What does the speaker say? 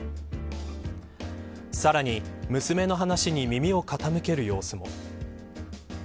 さらに娘の話に耳を傾ける様子も。